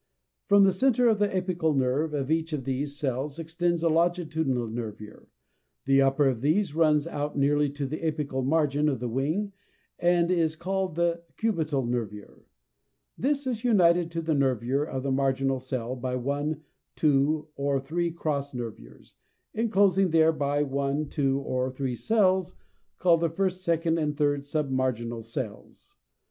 From the centre of the apical nerve of each of these cells extends a longitudinal nervure; the upper of these runs out nearly to the apical margin of the wing and is called the cubital nervure (6); this is united to the nervure of the marginal cell by one, two, or three cross nervures, enclosing thereby one, two, or three cells called the first (D), second (E), and third (F) submarginal cells.